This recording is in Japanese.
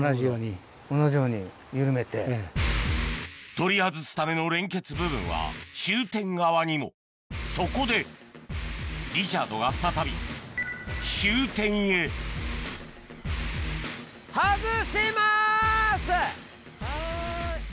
取り外すための連結部分は終点側にもそこでリチャードが再び終点へはい！